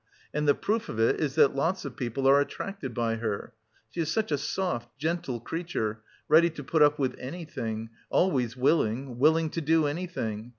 And the proof of it is that lots of people are attracted by her. She is such a soft, gentle creature, ready to put up with anything, always willing, willing to do anything.